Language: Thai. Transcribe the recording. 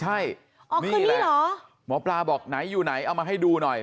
หมอปราบอกอยู่ไหนเอามาให้ดูหน่อย